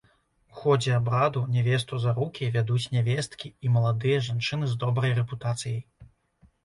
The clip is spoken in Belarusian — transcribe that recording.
У ходзе абраду нявесту за рукі вядуць нявесткі і маладыя жанчыны з добрай рэпутацыяй.